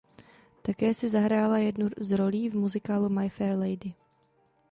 Také si zahrála jednu z rolí v muzikálu My Fair Lady.